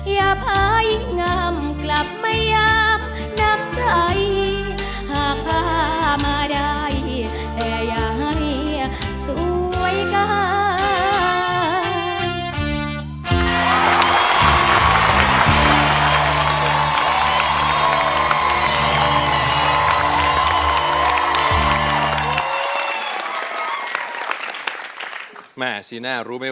อย่าพาอิงอำกลับมาย้ำน้ำใจ